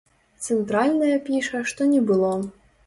Цэнтральная піша, што не было.